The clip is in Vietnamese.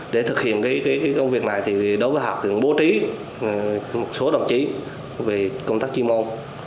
để thực hiện công việc này hạt kiểm bố trí một số đồng chí về công tác chuyên môn